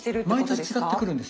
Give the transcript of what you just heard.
毎年違ってくるんですよ。